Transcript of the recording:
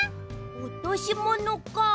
おとしものかあ。